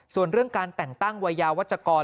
ส่วนเรื่องการแต่งตั้งวัยยาวัชกร